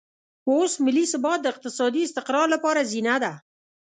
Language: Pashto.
اوس ملي ثبات د اقتصادي استقرار لپاره زینه ده.